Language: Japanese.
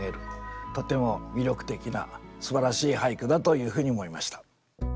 とても魅力的なすばらしい俳句だというふうに思いました。